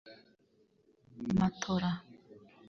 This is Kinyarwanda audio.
matola